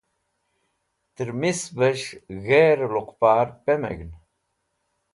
Tẽrmisvẽs̃h g̃hrẽ luqpar pemg̃hẽn